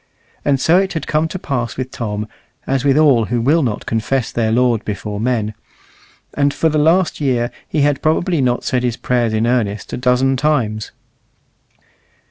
And so it had come to pass with Tom, as with all who will not confess their Lord before men; and for the last year he had probably not said his prayers in earnest a dozen times.